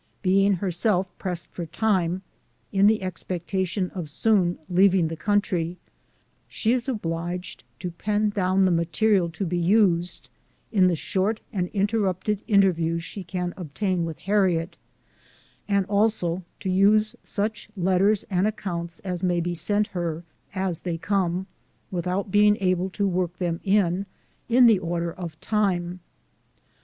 Being herself pressed for time, in the expectation of soon leaving the country, she is obliged to pen down the material to be used in the short and interrupted interviews she can obtain with Harriet, and also to use such let ters and accounts as may be sent her, as they come, without being able to work them in, in the order of time.